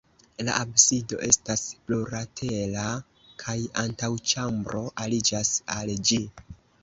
La absido estas plurlatera kaj antaŭĉambro aliĝas al ĝi.